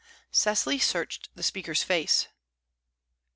Cecily searched the speaker's face.